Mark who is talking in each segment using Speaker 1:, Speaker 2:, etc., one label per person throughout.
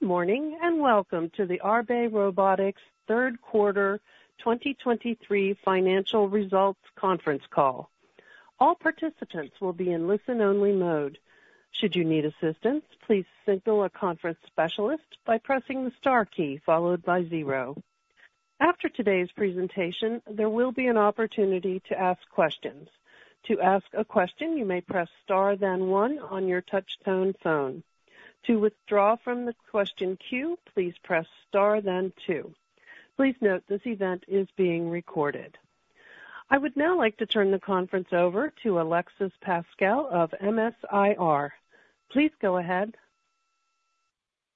Speaker 1: Good morning, and welcome to the Arbe Robotics third quarter 2023 financial results conference call. All participants will be in listen-only mode. Should you need assistance, please signal a conference specialist by pressing the star key followed by zero. After today's presentation, there will be an opportunity to ask questions. To ask a question, you may press star then one on your touchtone phone. To withdraw from the question queue, please press star then two. Please note this event is being recorded. I would now like to turn the conference over to Alexis Pascal of MS-IR. Please go ahead.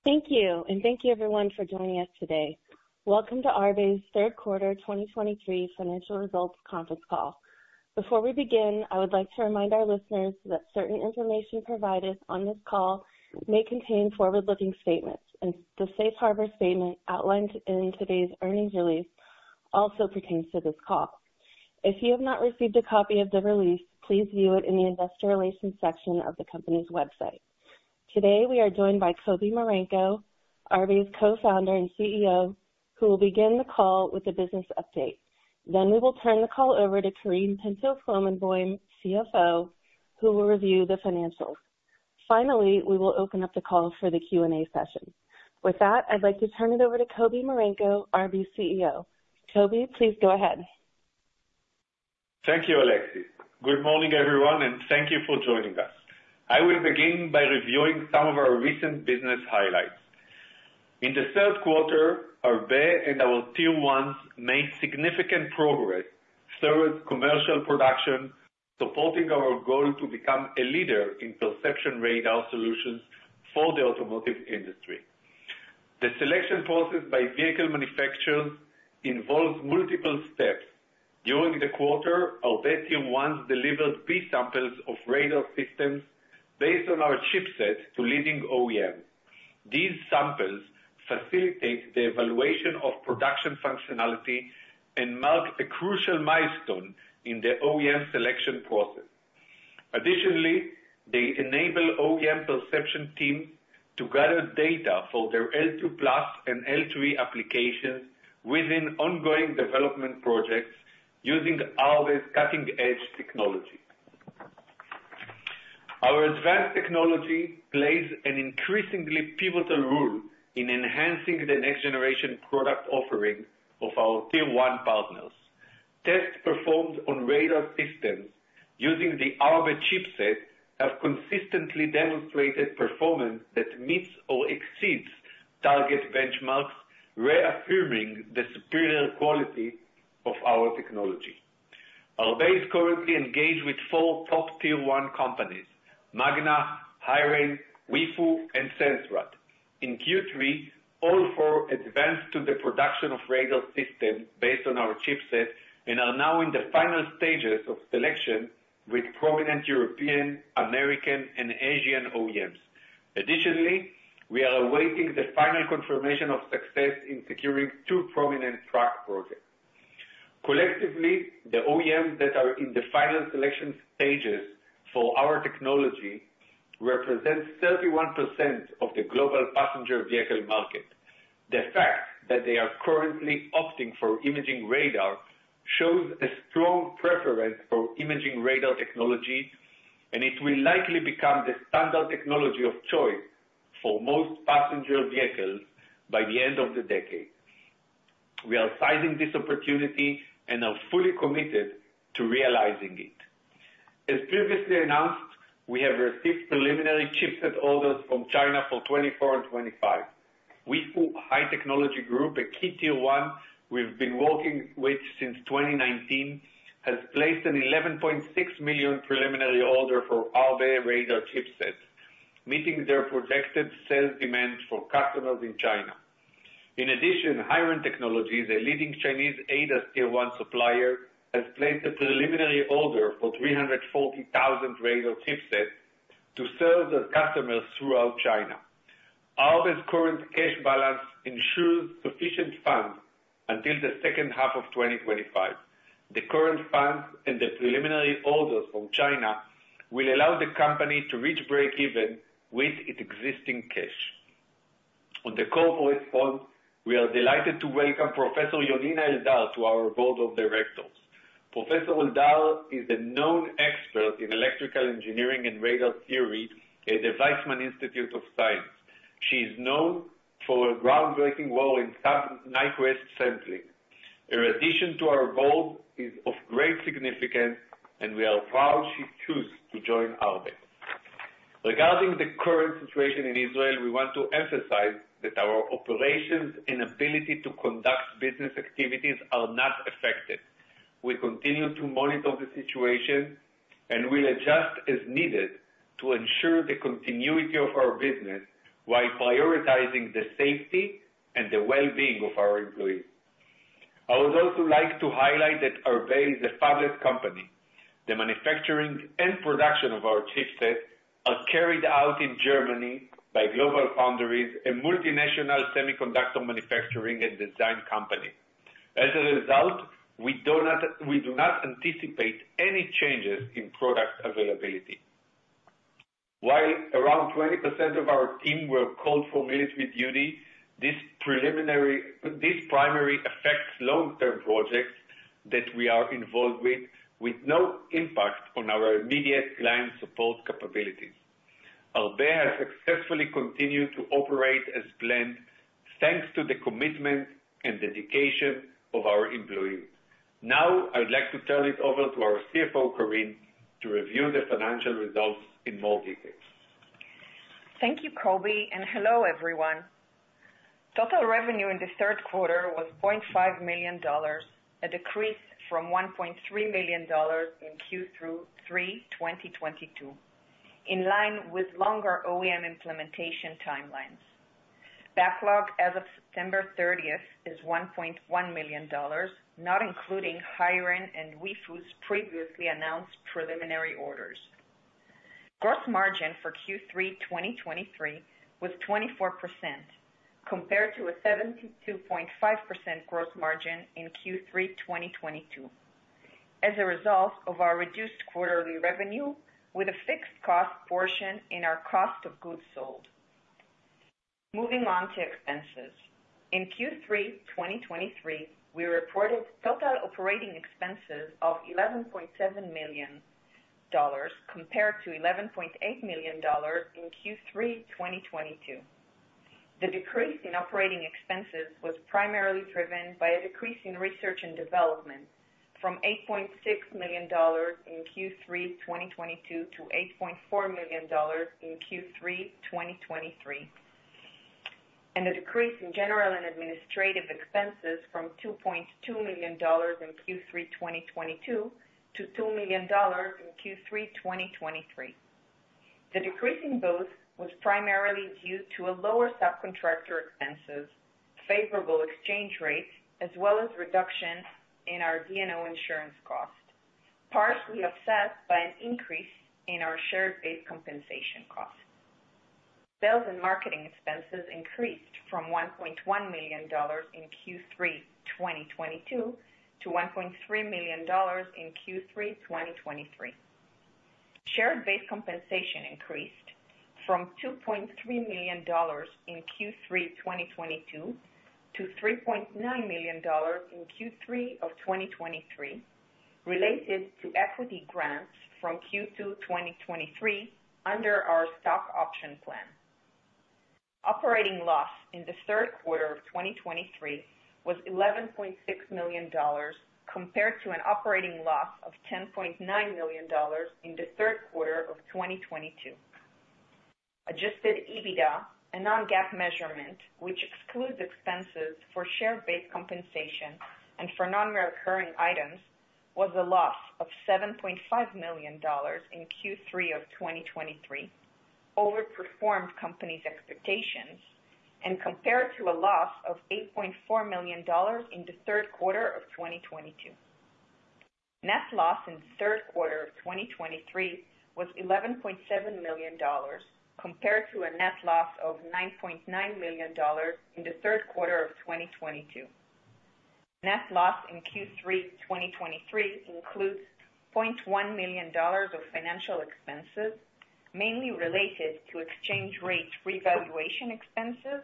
Speaker 2: Thank you, and thank you everyone for joining us today. Welcome to Arbe's third quarter 2023 financial results conference call. Before we begin, I would like to remind our listeners that certain information provided on this call may contain forward-looking statements, and the safe harbor statement outlined in today's earnings release also pertains to this call. If you have not received a copy of the release, please view it in the investor relations section of the company's website. Today, we are joined by Kobi Marenko, Arbe's Co-founder and CEO, who will begin the call with a business update. Then we will turn the call over to Karine Pinto-Flomenboim, CFO, who will review the financials. Finally, we will open up the call for the Q&A session. With that, I'd like to turn it over to Kobi Marenko, Arbe's CEO. Kobi, please go ahead.
Speaker 3: Thank you, Alexis. Good morning, everyone, and thank you for joining us. I will begin by reviewing some of our recent business highlights. In the third quarter, Arbe and our Tier 1s made significant progress towards commercial production, supporting our goal to become a leader in perception radar solutions for the automotive industry. The selection process by vehicle manufacturers involves multiple steps. During the quarter, our Tier 1s delivered B-samples of radar systems based on our chipset to leading OEMs. These samples facilitate the evaluation of production functionality and mark a crucial milestone in the OEM selection process. Additionally, they enable OEM perception teams to gather data for their L2+ and L3 applications within ongoing development projects using Arbe's cutting-edge technology. Our advanced technology plays an increasingly pivotal role in enhancing the next generation product offerings of our Tier 1 partners. Tests performed on radar systems using the Arbe chipset have consistently demonstrated performance that meets or exceeds target benchmarks, reaffirming the superior quality of our technology. Arbe is currently engaged with four top Tier 1 companies, Magna, HiRain, Weifu, and Sensrad. In Q3, all four advanced to the production of radar systems based on our chipset and are now in the final stages of selection with prominent European, American, and Asian OEMs. Additionally, we are awaiting the final confirmation of success in securing two prominent truck projects. Collectively, the OEMs that are in the final selection stages for our technology represent 31% of the global passenger vehicle market. The fact that they are currently opting for imaging radar shows a strong preference for imaging radar technology, and it will likely become the standard technology of choice for most passenger vehicles by the end of the decade. We are sizing this opportunity and are fully committed to realizing it. As previously announced, we have received preliminary chipset orders from China for 2024 and 2025. Weifu High Technology Group, a key Tier 1 we've been working with since 2019, has placed an $11.6 million preliminary order for Arbe radar chipsets, meeting their projected sales demand for customers in China. In addition, HiRain Technologies, a leading Chinese ADAS Tier 1 supplier, has placed a preliminary order for 340,000 radar chipsets to serve their customers throughout China. Arbe's current cash balance ensures sufficient funds until the second half of 2025. The current funds and the preliminary orders from China will allow the company to reach breakeven with its existing cash. On the corporate front, we are delighted to welcome Professor Yonina Eldar to our board of directors. Professor Eldar is a known expert in electrical engineering and radar theory at the Weizmann Institute of Science. She is known for her groundbreaking role in sub-Nyquist sampling. Her addition to our board is of great significance, and we are proud she chose to join Arbe. Regarding the current situation in Israel, we want to emphasize that our operations and ability to conduct business activities are not affected. We continue to monitor the situation and will adjust as needed to ensure the continuity of our business while prioritizing the safety and the well-being of our employees. I would also like to highlight that Arbe is a public company. The manufacturing and production of our chipsets are carried out in Germany by GlobalFoundries, a multinational semiconductor manufacturing and design company. As a result, we do not anticipate any changes in product availability. While around 20% of our team were called for military duty, this primarily affects long-term projects that we are involved with, with no impact on our immediate client support capabilities. Arbe has successfully continued to operate as planned, thanks to the commitment and dedication of our employees. Now, I'd like to turn it over to our CFO, Karine, to review the financial results in more detail.
Speaker 4: Thank you, Kobi, and hello, everyone. Total revenue in the third quarter was $0.5 million, a decrease from $1.3 million in Q3 2022, in line with longer OEM implementation timelines. Backlog as of September 30 is $1.1 million, not including HiRain and Weifu previously announced preliminary orders. Gross margin for Q3 2023 was 24%, compared to a 72.5% gross margin in Q3 2022, as a result of our reduced quarterly revenue with a fixed cost portion in our cost of goods sold. Moving on to expenses. In Q3 2023, we reported total operating expenses of $11.7 million compared to $11.8 million in Q3 2022. The decrease in operating expenses was primarily driven by a decrease in research and development from $8.6 million in Q3 2022 to $8.4 million in Q3 2023, and a decrease in general and administrative expenses from $2.2 million in Q3 2022 to $2 million in Q3 2023. The decrease in both was primarily due to lower subcontractor expenses, favorable exchange rates, as well as reduction in our D&O insurance cost, partially offset by an increase in our share-based compensation cost. Sales and marketing expenses increased from $1.1 million in Q3 2022 to $1.3 million in Q3 2023. Share-based compensation increased from $2.3 million in Q3 2022 to $3.9 million in Q3 of 2023, related to equity grants from Q2 2023 under our stock option plan. Operating loss in the third quarter of 2023 was $11.6 million, compared to an operating loss of $10.9 million in the third quarter of 2022. Adjusted EBITDA, a non-GAAP measurement, which excludes expenses for share-based compensation and for non-recurring items, was a loss of $7.5 million in Q3 of 2023, overperformed company's expectations, and compared to a loss of $8.4 million in the third quarter of 2022. Net loss in the third quarter of 2023 was $11.7 million, compared to a net loss of $9.9 million in the third quarter of 2022. Net loss in Q3 2023 includes $0.1 million of financial expenses, mainly related to exchange rate revaluation expenses,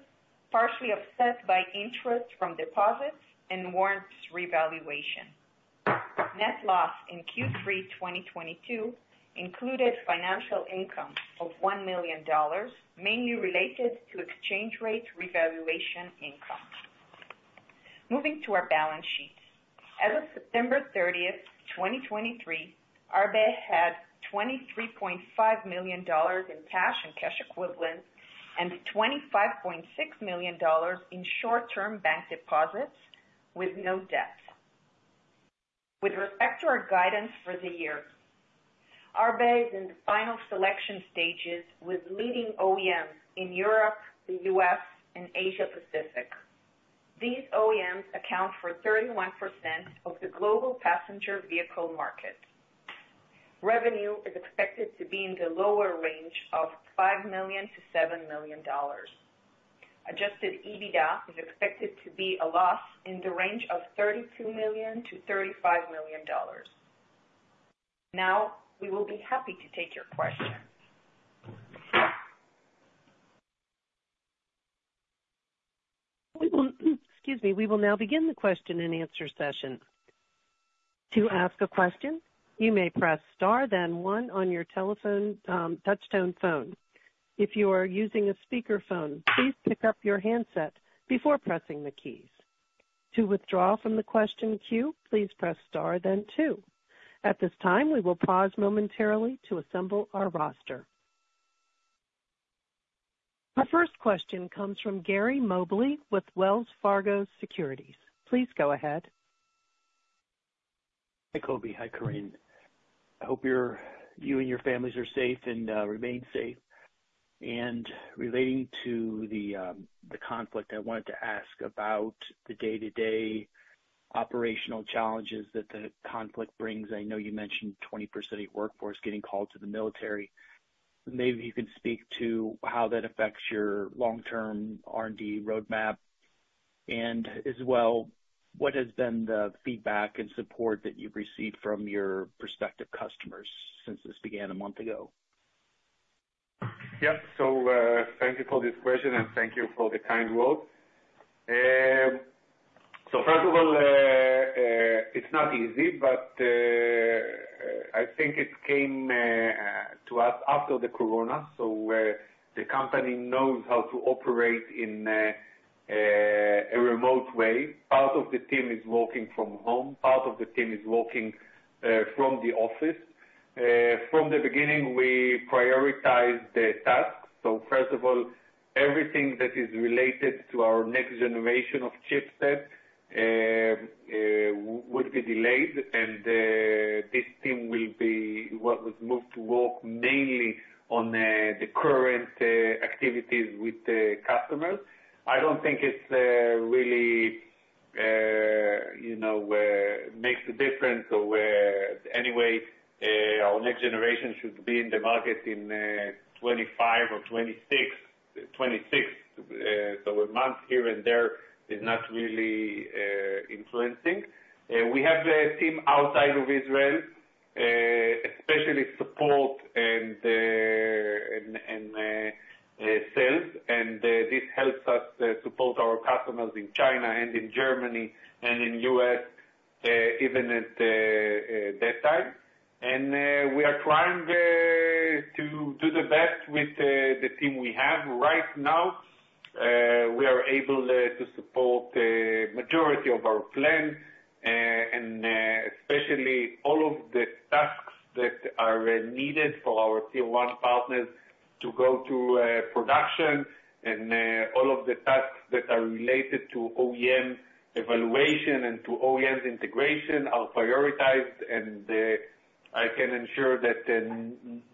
Speaker 4: partially offset by interest from deposits and warrants revaluation. Net loss in Q3 2022 included financial income of $1 million, mainly related to exchange rate revaluation income. Moving to our balance sheet. As of September 30, 2023, Arbe had $23.5 million in cash and cash equivalents, and $25.6 million in short-term bank deposits with no debt. With respect to our guidance for the year, Arbe is in the final selection stages with leading OEMs in Europe, the U.S., and Asia Pacific. These OEMs account for 31% of the global passenger vehicle market. Revenue is expected to be in the lower range of $5 million-$7 million. Adjusted EBITDA is expected to be a loss in the range of $32 million-$35 million. Now, we will be happy to take your questions.
Speaker 1: We will, excuse me. We will now begin the question and answer session. To ask a question, you may press star then one on your telephone, touchtone phone. If you are using a speakerphone, please pick up your handset before pressing the keys. To withdraw from the question queue, please press star then two. At this time, we will pause momentarily to assemble our roster. Our first question comes from Gary Mobley with Wells Fargo Securities. Please go ahead.
Speaker 5: Hi, Kobi. Hi, Karine. I hope you're, you and your families are safe and remain safe. Relating to the conflict, I wanted to ask about the day-to-day operational challenges that the conflict brings. I know you mentioned 20% of your workforce getting called to the military. Maybe you could speak to how that affects your long-term R&D roadmap, and as well, what has been the feedback and support that you've received from your prospective customers since this began a month ago?
Speaker 3: Yep. Thank you for this question, and thank you for the kind words. First of all, it's not easy, but I think it came to us after the Corona, so the company knows how to operate in a remote way. Part of the team is working from home, part of the team is working from the office. From the beginning, we prioritized the tasks. First of all, everything that is related to our next generation of chipsets will be delayed, and this team will be what was moved to work mainly on the current activities with the customers. I don't think it's really you know makes a difference or where anyway our next generation should be in the market in 2025 or 2026, 2026. So a month here and there is not really influencing. We have the team outside of Israel, especially support and sales, and this helps us support our customers in China and in Germany and in U.S., even at that time. And we are trying to do the best with the team we have right now. We are able to support majority of our plans, and especially all of the tasks that are needed for our Tier 1 partners to go to production. And all of the tasks that are related to OEM evaluation and to OEM integration are prioritized, and I can ensure that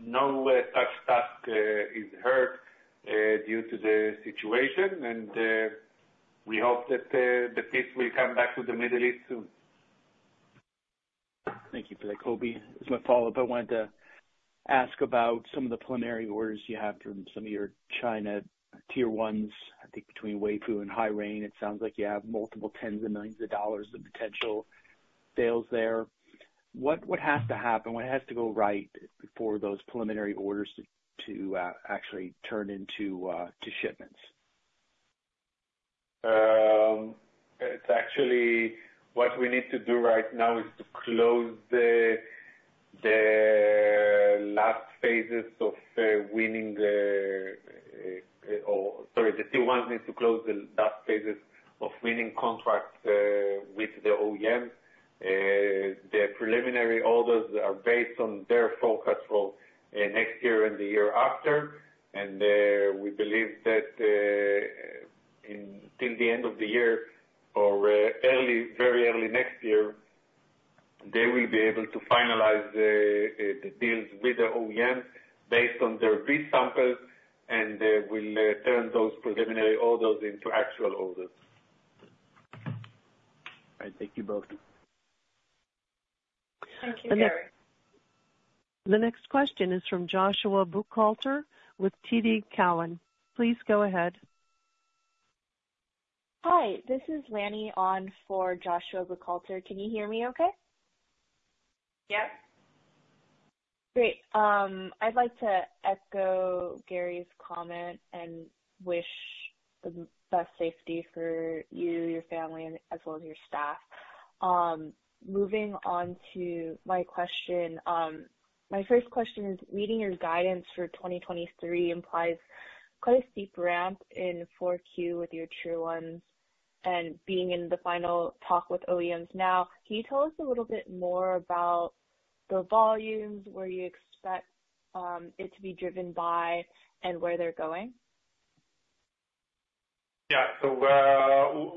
Speaker 3: no such task is hurt due to the situation. We hope that the peace will come back to the Middle East soon.
Speaker 5: Thank you for that, Kobi. As my follow-up, I wanted to ask about some of the preliminary orders you have from some of your China Tier 1s. I think between Weifu and HiRain, it sounds like you have multiple tens of millions of dollars of potential sales there. What has to happen, what has to go right for those preliminary orders to actually turn into to shipments?
Speaker 3: It's actually what we need to do right now is to close the last phases of winning, the Tier 1s need to close the last phases of winning contracts with the OEM. The preliminary orders are based on their forecast for next year and the year after. We believe that in till the end of the year or early, very early next year, they will be able to finalize the deals with the OEMs based on their pre-samples, and we'll turn those preliminary orders into actual orders.
Speaker 5: All right. Thank you both.
Speaker 3: Thank you, Gary.
Speaker 1: The next question is from Joshua Buchalter with TD Cowen. Please go ahead.
Speaker 6: Hi, this is Lanny on for Joshua Buchalter. Can you hear me okay? Yes. Great. I'd like to echo Gary's comment and wish the best safety for you, your family, and as well as your staff. Moving on to my question, my first question is, reading your guidance for 2023 implies quite a steep ramp in Q4 with your Tier 1s, and being in the final talk with OEMs now, can you tell us a little bit more about the volumes, where you expect it to be driven by and where they're going?
Speaker 3: Yeah. So,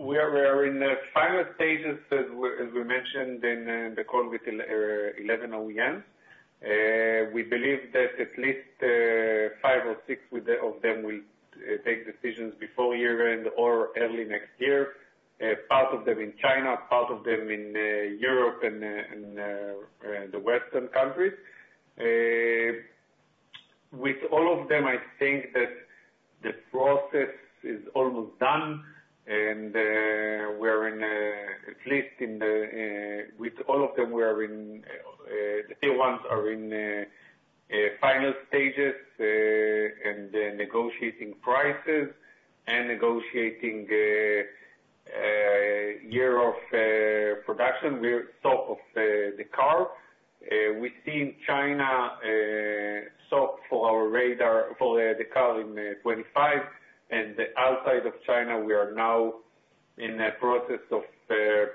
Speaker 3: we are in the final stages, as we mentioned in the call with 11 OEMs. We believe that at least 5 or 6 of them will take decisions before year-end or early next year. Part of them in China, part of them in Europe and the Western countries. With all of them, I think that the process is almost done, and we're in, at least with all of them, we are in, the Tier 1s are in final stages, and negotiating prices and negotiating year of production with SOP of the car. We see in China, SOP for our radar, for the car in 2025, and outside of China, we are now in a process of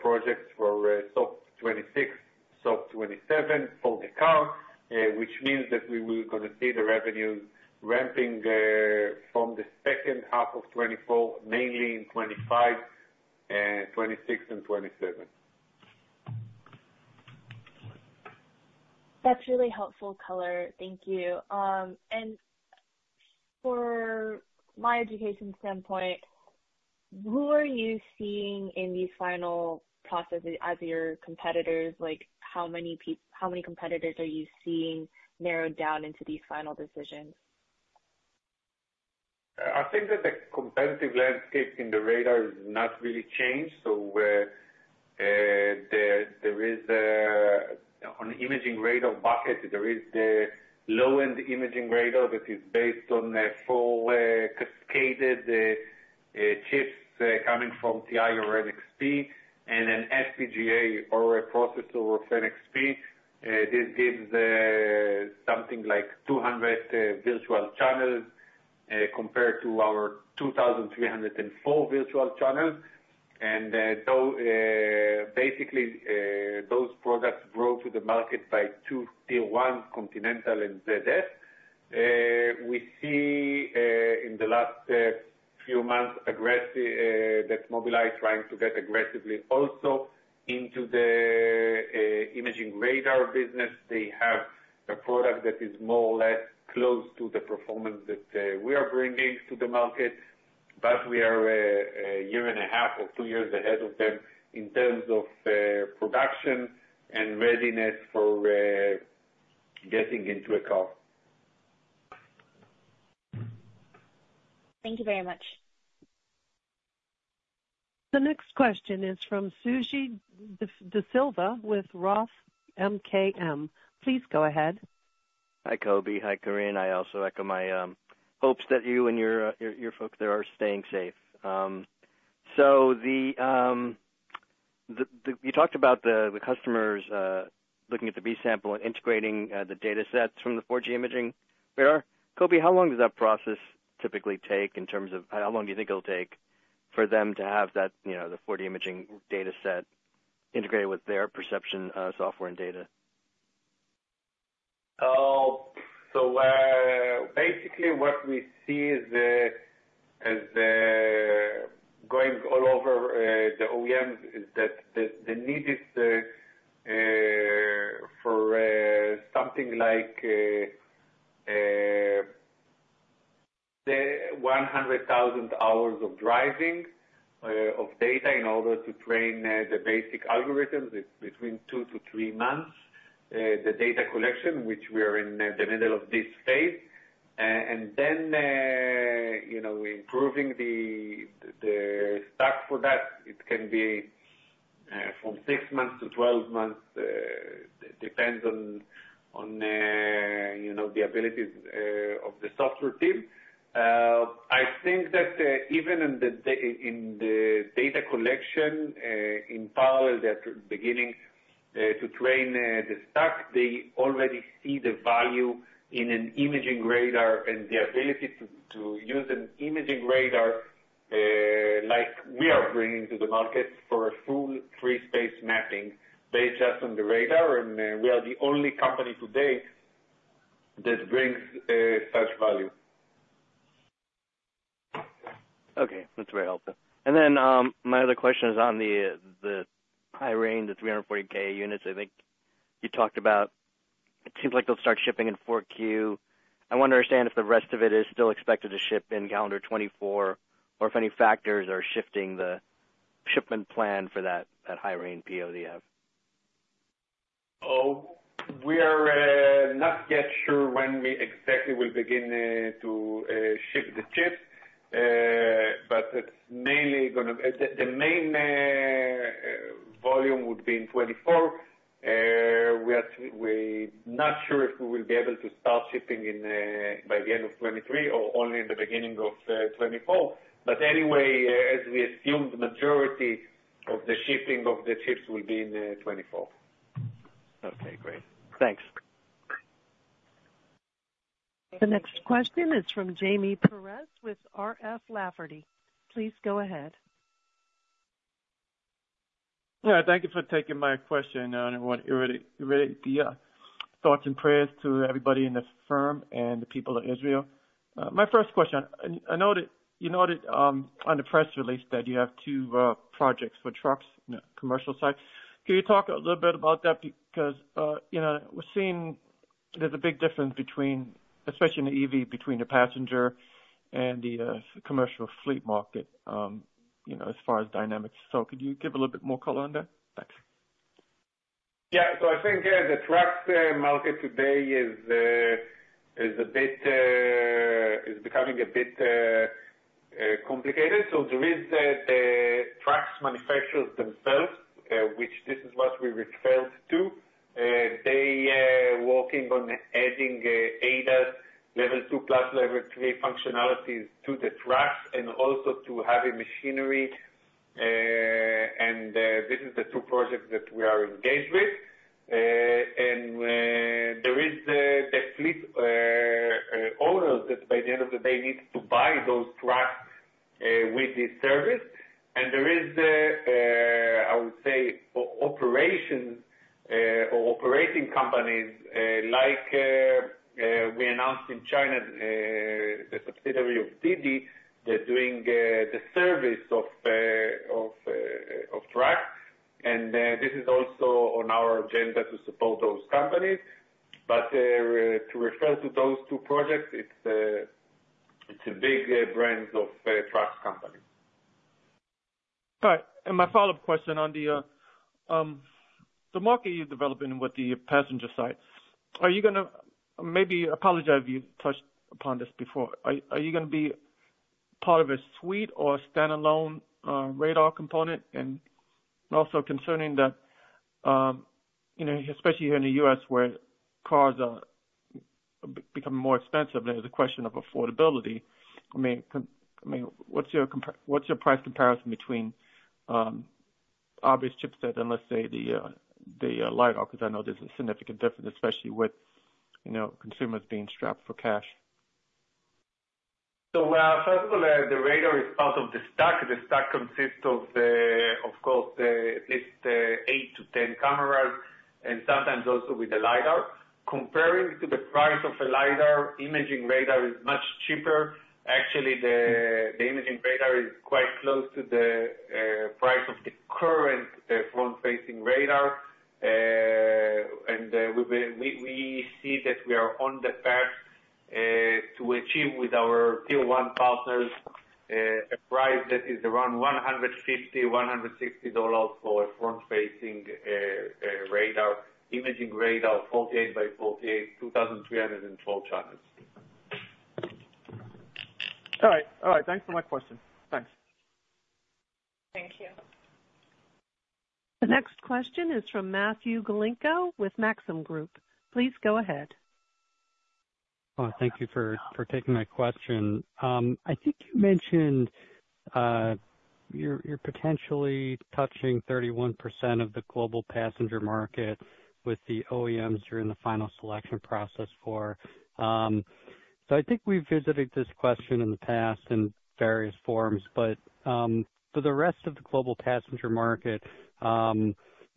Speaker 3: projects for SOP 2026, SOP 2027, for the car, which means that we will gonna see the revenues ramping from the second half of 2024, mainly in 2025 and 2026 and 2027.
Speaker 6: That's really helpful color. Thank you. For my education standpoint, who are you seeing in the final process as your competitors? Like, how many competitors are you seeing narrowed down into these final decisions?
Speaker 3: I think that the competitive landscape in the radar has not really changed. So, there is, on imaging radar bucket, there is the low-end imaging radar that is based on the full cascaded chips coming from TI or NXP, and then FPGA or a processor of NXP. This gives something like 200 virtual channels compared to our 2,304 virtual channels. And so basically those products go to the market by two Tier 1, Continental and ZF. We see in the last few months aggressively that Mobileye trying to get aggressively also into the imaging radar business. They have a product that is more or less close to the performance that we are bringing to the market, but we are a year and a half or 2 years ahead of them in terms of production and readiness for getting into a car.
Speaker 6: Thank you very much.
Speaker 1: The next question is from Suji Desilva with Roth MKM. Please go ahead.
Speaker 7: Hi, Kobi. Hi, Karine. I also echo my hopes that you and your folks there are staying safe. So you talked about the customers looking at the B-sample and integrating the data sets from the 4D imaging. Kobi, how long does that process typically take in terms of how long do you think it'll take for them to have that, you know, the 4D imaging data set integrated with their perception software and data?
Speaker 3: Oh, so, basically what we see is the, as the, going all over, the OEMs is that the, the need is, for, something like, the 100,000 hours of driving, of data in order to train, the basic algorithms is between 2-3 months. The data collection, which we are in the middle of this phase, and then, you know, improving the, the stack for that, it can be, from 6-12 months. Depends on, on, you know, the abilities, of the software team. I think that, even in the, in, in the data collection, in parallel, they're beginning, to train, the stack. They already see the value in an imaging radar and the ability to, to use an imaging radar like we are bringing to the market for a full Free Space Mapping based just on the radar, and we are the only company today that brings such value.
Speaker 7: Okay, that's very helpful. And then, my other question is on the high range, the 340K units, I think you talked about. It seems like they'll start shipping in 4Q. I want to understand if the rest of it is still expected to ship in calendar 2024, or if any factors are shifting the shipment plan for that HiRain PO.
Speaker 3: Oh, we are not yet sure when we exactly will begin to ship the chips, but it's mainly gonna—the main volume would be in 2024. We are, we not sure if we will be able to start shipping in by the end of 2023 or only in the beginning of 2024. But anyway, as we assumed, majority of the shipping of the chips will be in 2024.
Speaker 7: Okay, great. Thanks.
Speaker 1: The next question is from Jamie Perez with R.F. Lafferty. Please go ahead.
Speaker 8: Yeah, thank you for taking my question. I want to really, really be thoughts and prayers to everybody in the firm and the people of Israel. My first question, I noted, you noted on the press release that you have 2 projects for trucks, commercial side. Can you talk a little bit about that? Because, you know, we're seeing there's a big difference between, especially in the EV, between the passenger and the commercial fleet market, you know, as far as dynamics. So could you give a little bit more color on that? Thanks.
Speaker 3: Yeah. So I think the truck market today is becoming a bit complicated. So there is the trucks manufacturers themselves, which this is what we refer to, they working on adding ADAS level two plus, level three functionalities to the trucks and also to heavy machinery. And this is the two projects that we are engaged with. And there is the fleet owners that by the end of the day needs to buy those trucks with this service. And there is the, I would say, operations or operating companies, like we announced in China, the subsidiary of DiDi, they're doing the service of trucks. This is also on our agenda to support those companies. To refer to those two projects, it's a big brands of truck company.
Speaker 8: All right. And my follow-up question on the market you're developing with the passenger side, are you gonna maybe apologize if you touched upon this before. Are you gonna be part of a suite or a standalone radar component? And also concerning you know, especially here in the U.S. where cars are becoming more expensive, there's a question of affordability. I mean, what's your price comparison between Arbe's chipset and let's say the LiDAR? 'Cause I know there's a significant difference, especially with you know, consumers being strapped for cash.
Speaker 3: So, first of all, the radar is part of the stack. The stack consists of, of course, at least 8-10 cameras, and sometimes also with the LiDAR. Comparing to the price of a LiDAR, imaging radar is much cheaper. Actually, the imaging radar is quite close to the price of the current front-facing radar. And we see that we are on the path to achieve with our Tier 1 partners a price that is around $150-$160 for a front-facing radar, imaging radar, 48 by 48, 2,304 channels.
Speaker 8: All right. All right, thanks for my question. Thanks.
Speaker 3: Thank you.
Speaker 1: The next question is from Matthew Galinko with Maxim Group. Please go ahead.
Speaker 9: Oh, thank you for taking my question. I think you mentioned you're potentially touching 31% of the global passenger market with the OEMs you're in the final selection process for. So I think we've visited this question in the past in various forms, but for the rest of the global passenger market,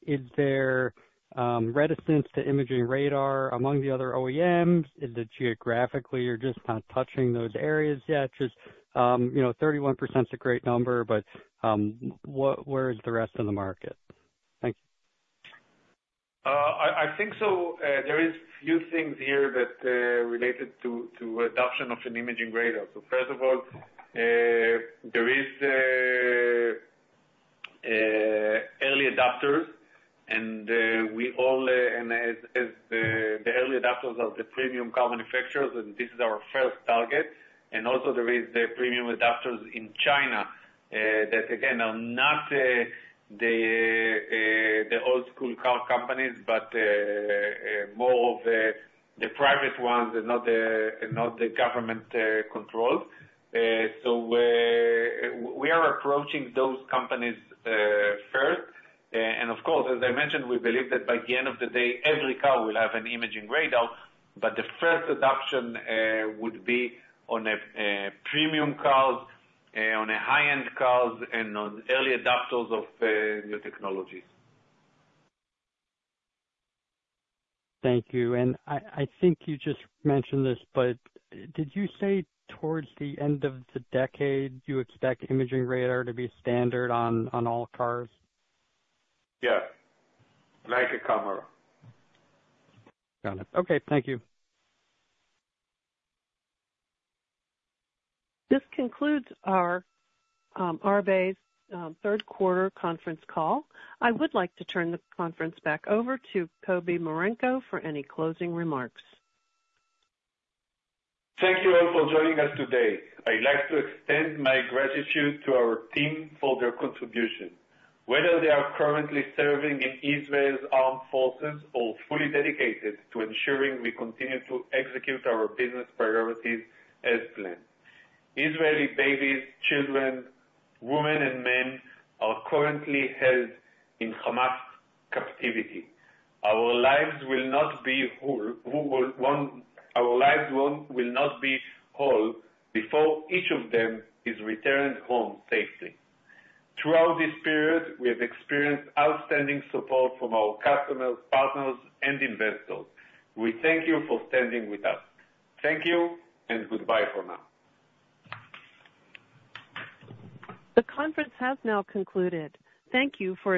Speaker 9: is there reticence to imaging radar among the other OEMs? Is it geographically, you're just not touching those areas yet? Just, you know, 31% is a great number, but where is the rest of the market? Thank you.
Speaker 3: I think so, there is few things here that related to adoption of an imaging radar. So first of all, there is early adopters, and as the early adopters are the premium car manufacturers, and this is our first target. And also there is the premium adopters in China that again are not the old school car companies, but more of the private ones and not the government controlled. So we are approaching those companies first. And of course, as I mentioned, we believe that by the end of the day, every car will have an imaging radar, but the first adoption would be on premium cars, on high-end cars and on early adopters of new technologies.
Speaker 9: Thank you. I think you just mentioned this, but did you say towards the end of the decade, you expect imaging radar to be standard on all cars?
Speaker 3: Yes. Like a camera.
Speaker 9: Got it. Okay. Thank you.
Speaker 1: This concludes our, Arbe's, third quarter conference call. I would like to turn the conference back over to Kobi Marenko for any closing remarks.
Speaker 3: Thank you all for joining us today. I'd like to extend my gratitude to our team for their contribution, whether they are currently serving in Israel's armed forces or fully dedicated to ensuring we continue to execute our business priorities as planned. Israeli babies, children, women, and men are currently held in Hamas captivity. Our lives will not be whole before each of them is returned home safely. Throughout this period, we have experienced outstanding support from our customers, partners, and investors. We thank you for standing with us. Thank you, and goodbye for now.
Speaker 1: The conference has now concluded. Thank you for your participation.